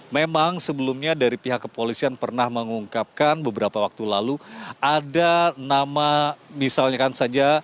memang sebelumnya dari pihak kepolisian pernah mengungkapkan beberapa waktu lalu ada nama misalnya kan saja